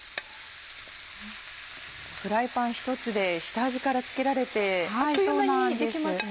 フライパン１つで下味から付けられてあっという間にできますね。